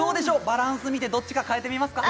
バランス見てどっちか変えてみますか？